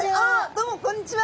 どうもこんにちは！